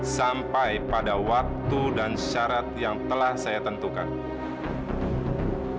sampai pada waktu dan syarat yang telah saya tentukan